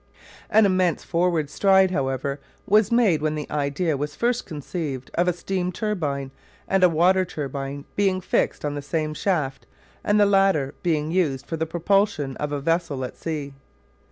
An immense forward stride, however, was made when the idea was first conceived of a steam turbine and a water turbine being fixed on the same shaft and the latter being used for the propulsion of a vessel at sea.